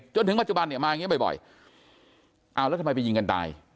จนถึงปัจจุบันเนี่ยมาอย่างนี้บ่อยเอาแล้วทำไมไปยิงกันตาย